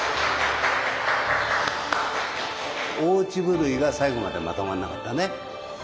大血振るいが最後までまとまんなかったね。